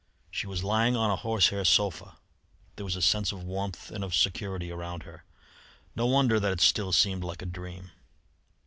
She was lying on a horsehair sofa. There was a sense of warmth and of security around her. No wonder that it still seemed like a dream.